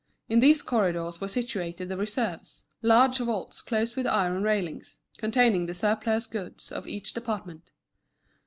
In these corridors were situated the reserves, large vaults closed with iron railings, containing the surplus goods of each department.